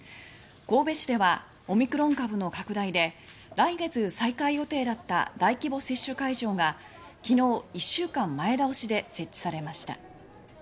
神戸市ではオミクロン株の拡大で来月再開予定だった大規模接種会場が昨日、１週間前倒しで設置されました。